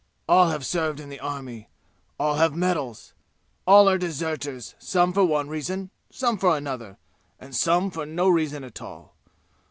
All have served in the army. All have medals. All are deserters, some for one reason, some for another and some for no reason at all.